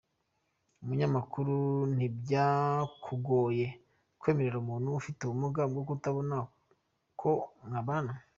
Umunyamakuru: Ntibyakugoye kwemerera umuntu ufite ubumuga bwo kutabona ko mwabana?.